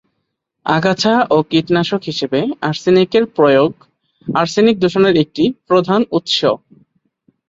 আগাছা ও কীটনাশক হিসেবে আর্সেনিকের প্রয়োগ আর্সেনিক দূষণের একটি প্রধান উৎস।